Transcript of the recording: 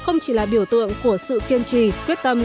không chỉ là biểu tượng của sự kiên trì quyết tâm